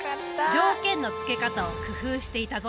条件のつけ方を工夫していたぞ。